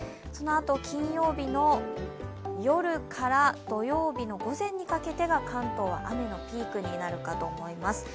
そのあと金曜日の夜から土曜日の午前にかけてが関東は雨のピークになるかと思います。